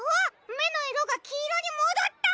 めのいろがきいろにもどった！